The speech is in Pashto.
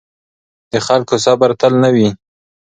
د خلکو صبر تل نه وي